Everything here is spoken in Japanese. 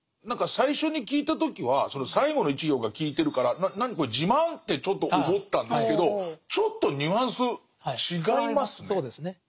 何か最初に聞いた時はその最後の１行が効いてるから何これ自慢？ってちょっと思ったんですけどちょっとニュアンス違いますね。